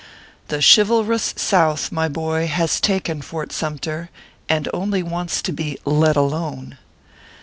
THE chivalrous South, my boy, has taken Fort Sumter, and only wants to be " let alone."